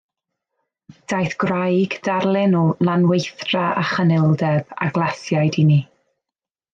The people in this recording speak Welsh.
Daeth gwraig, darlun o lanweithdra a chynildeb, a glasiaid inni.